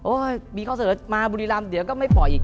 โอ้ยมีเขาเสิร์ชมาบุรีรามเดี๋ยวก็ไม่ปล่อยอีก